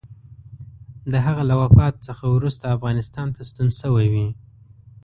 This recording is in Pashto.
د هغه له وفات څخه وروسته افغانستان ته ستون شوی وي.